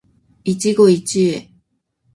一期一会